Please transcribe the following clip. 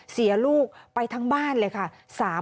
เสียลูกไปทั้งบ้านเลยค่ะ